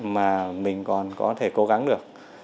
mà mình còn có thể cố gắng được